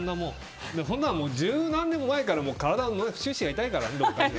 そんなの十何年前から体の節々が痛いからね。